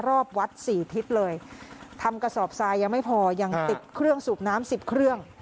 รอบวัดสี่ทิศเลยทำกระสอบทรายยังไม่พอยังติดเครื่องสูบน้ำสิบเครื่อง